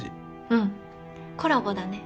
うんコラボだね。